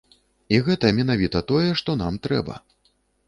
І гэта менавіта тое, што нам трэба.